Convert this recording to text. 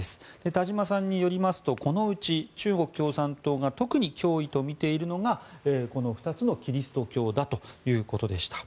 田島さんによりますとこのうち中国共産党が特に脅威と見ているのがこの２つのキリスト教だということでした。